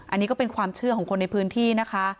อันนี้ก็เป็นความเชื่อของคนในพื้นที่นะคะ